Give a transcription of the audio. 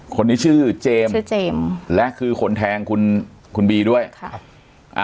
คนนี้ชื่อเจมส์ชื่อเจมส์และคือคนแทงคุณคุณบีด้วยค่ะอ่า